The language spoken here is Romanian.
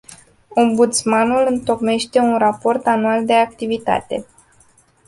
Ombudsmanul întocmește un raport anual de activitate.